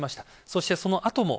そしてそのあとも